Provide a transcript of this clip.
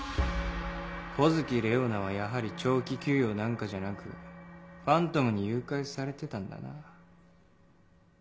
湖月レオナはやはり長期休養なんかじゃなくファントムに誘拐されてたんだな。